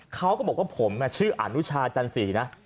เขาก็บอกว่าผมชื่ออนุชาจันสีนะ